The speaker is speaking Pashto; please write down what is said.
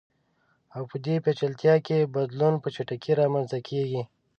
او په دې پېچلتیا کې بدلون په چټکۍ رامنځته کیږي.